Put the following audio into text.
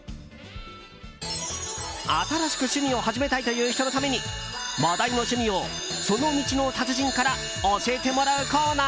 新しく趣味を始めたいという人のために話題の趣味を、その道の達人から教えてもらうコーナー。